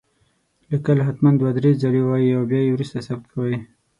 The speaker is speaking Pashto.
ليکل هتمن دوه دري ځلي وايي او بيا يي وروسته ثبت کوئ